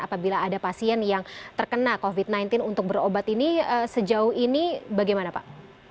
apabila ada pasien yang terkena covid sembilan belas untuk berobat ini sejauh ini bagaimana pak